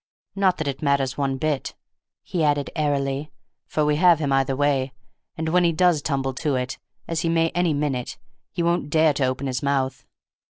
"Not that it matters one bit," he added, airily, "for we have him either way; and when he does tumble to it, as he may any minute, he won't dare to open his mouth."